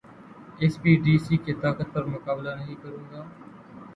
S P, D C کی طاقت پر مقابلہ نہیں کروں گا